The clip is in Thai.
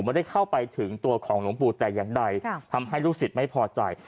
ไม่ได้เข้าไปถึงตัวของหลวงปู่แต่อย่างใดทำให้ลูกศิษย์ไม่พอใจ